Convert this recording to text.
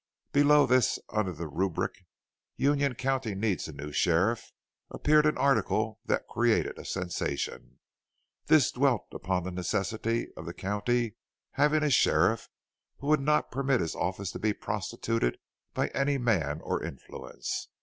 Below this, under the rubric, "Union County Needs a New Sheriff," appeared an article that created a sensation. This dwelt upon the necessity of the county having a sheriff who would not permit his office to be prostituted by any man or influence.